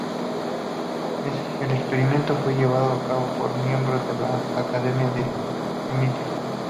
El experimento fue llevado a cabo por miembros de la "Accademia del Cimento.